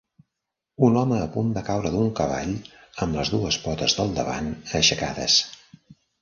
Un home a punt de caure d'un cavall amb les dues potes del davant aixecades.